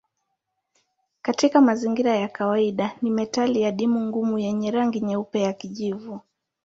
Katika mazingira ya kawaida ni metali adimu ngumu yenye rangi nyeupe ya kijivu.